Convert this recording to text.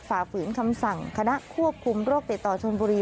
ฝ่าฝืนคำสั่งคณะควบคุมโรคติดต่อชนบุรี